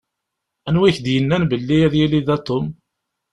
Anwa i ak-d-yennan belli ad yili da Tom?